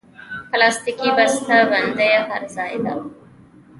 پلاستيکي بستهبندي هر ځای ده.